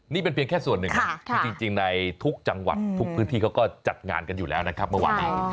นี่เป็นเพียงแค่ส่วนหนึ่งนะคือจริงในทุกจังหวัดทุกพื้นที่เขาก็จัดงานกันอยู่แล้วนะครับเมื่อวานนี้